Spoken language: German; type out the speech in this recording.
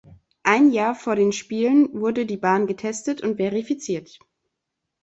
Ein Jahr vor den Spielen wurde die Bahn getestet und verifiziert.